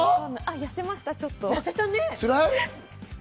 痩せました、ちょっと。